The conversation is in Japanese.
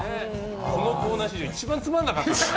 このコーナー史上一番つまんなかった。